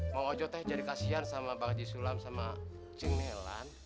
mau ngajau teh jadi kasihan sama bang haji sulam sama cing nelan